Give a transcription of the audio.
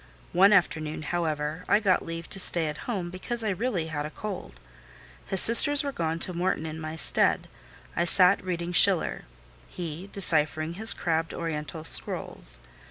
One afternoon, however, I got leave to stay at home, because I really had a cold. His sisters were gone to Morton in my stead: I sat reading Schiller; he, deciphering his crabbed Oriental scrolls.